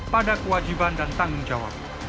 pada kewajiban dan tanggung jawab